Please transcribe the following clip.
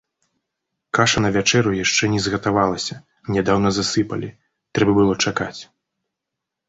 Каша на вячэру яшчэ не згатавалася, нядаўна засыпалі, трэба было чакаць.